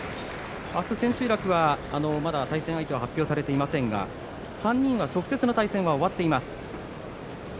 あす千秋楽は、まだ対戦相手は発表されていませんが３人が直接の対戦は終わっています。